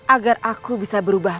agar aku bisa berubah